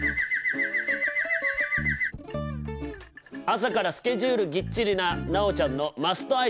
朝からスケジュールぎっちりな奈央ちゃんのマストアイテム。